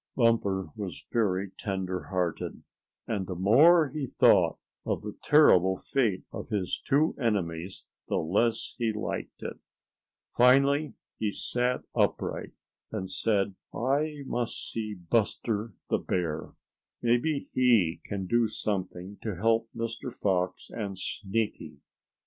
Bumper was very tender hearted, and the more he thought of the terrible fate of his two enemies the less he liked it. Finally, he sat upright, and said: "I must see Buster the Bear. Maybe he can do something to help Mr. Fox and Sneaky.